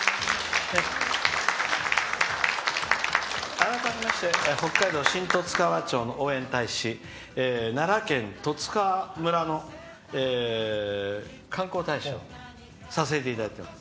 改めまして北海道新十津川町の応援大使奈良県十津川村の観光大使をさせていただいています